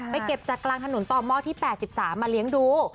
เก็บจากกลางถนนต่อหม้อที่๘๓มาเลี้ยงดู